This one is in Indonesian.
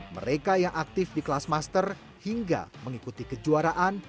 mereka yang aktif di kelas master hingga mengikuti kejuaraan